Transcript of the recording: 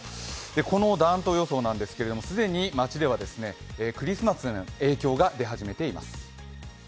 この暖冬予想なんですけれども、既に街ではクリスマスの影響が出始めています。